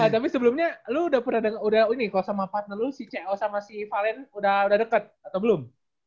tapi sebelumnya lo udah ini kalau sama partner lu si co sama si valen udah deket atau belum